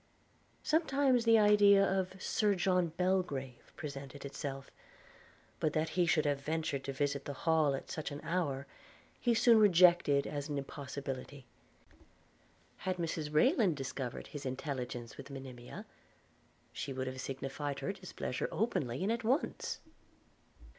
Sometimes the idea of Sir John Belgrave presented itself; but that he should have ventured to visit the Hall at such an hour, he soon rejected as an impossibility. Had Mrs Rayland discovered his intelligence with Monimia, she would have signified her displeasure openly and at once.